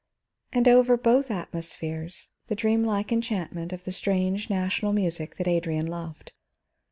And over both atmospheres the dreamlike enchantment of the strange national music that Adrian loved.